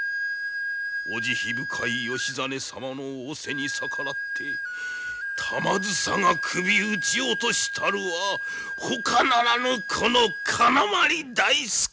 お慈悲深い義実様の仰せに逆らって玉梓が首討ち落としたるはほかならぬこの金碗大助なり。